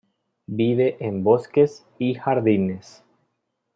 Vive en bosques y jardines.